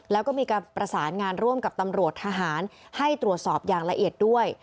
แล้วก็มีการประสานงานร่วมกับตำรวจทหารให้ตรวจสอบอย่างละเอียดด้วย